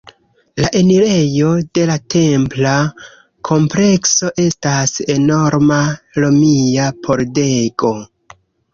La enirejo de la templa komplekso estas enorma romia pordego.